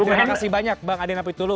terima kasih banyak bang adrian apitukulu